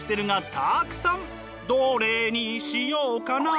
どれにしようかな？